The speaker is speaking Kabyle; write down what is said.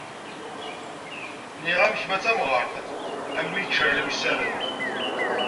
Nniɣ-am kemm a tamɣart, a mm igecrar wessaren.